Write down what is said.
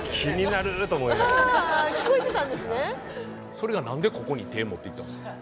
それが何でここに手持っていったんですか？